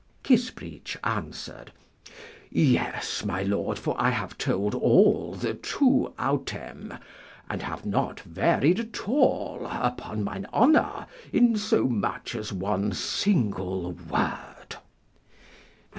Kissbreech answered, Yes, my lord, for I have told all the tu autem, and have not varied at all upon mine honour in so much as one single word.